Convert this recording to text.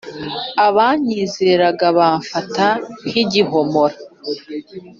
abanyizeraga bafamta nk’igihomora